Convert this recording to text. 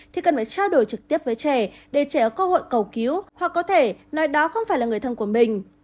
thì cần phải trao đổi trực tiếp với trẻ để trẻ có cơ hội cầu cứu hoặc có thể nói đó không phải là người thân của mình